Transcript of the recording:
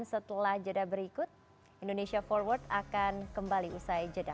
dan setelah jeda berikut indonesia forward akan kembali usai jeda